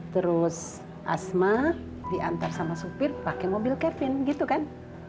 terus asma diantar sama supir pakai mobil kevin gitu kan